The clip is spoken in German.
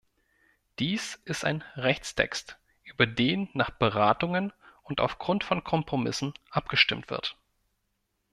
Dies ist ein Rechtstext, über den nach Beratungen und aufgrund von Kompromissen abgestimmt wird.